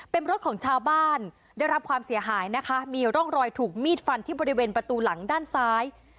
เป็นรถของชาวบ้านได้รับความเสียหายนะคะมีร่องรอยถูกมีดฟันที่บริเวณประตูหลังด้านซ้าย